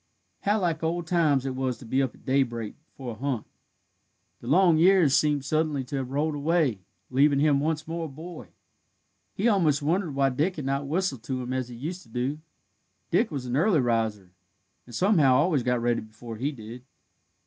How like old times it was to be up at daybreak for a hunt! The long years seemed suddenly to have rolled away, leaving him once more a boy. He almost wondered why Dick had not whistled to him as he used to do. Dick was an early riser, and somehow always got ready before he did.